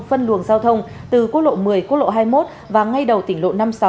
phân luồng giao thông từ quốc lộ một mươi quốc lộ hai mươi một và ngay đầu tỉnh lộ năm mươi sáu